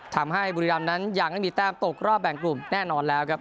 บุรีรำนั้นยังไม่มีแต้มตกรอบแบ่งกลุ่มแน่นอนแล้วครับ